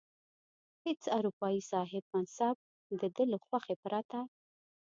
هیڅ اروپايي صاحب منصب د ده له خوښې پرته.